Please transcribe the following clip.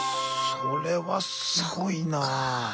それはすごいなぁ。